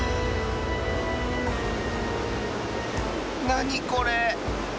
なにこれ？